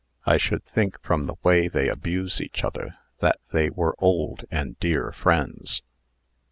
I should think, from the way they abuse each other, that they were old and dear friends."